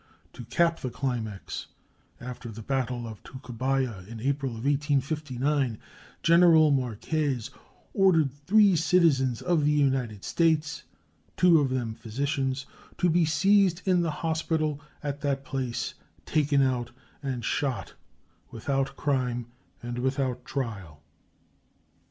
To cap the climax, after the battle of Tacubaya, in April, 1859, General Marquez ordered three citizens of the United States, two of them physicians, to be seized in the hospital at that place, taken out and shot, without crime and without trial.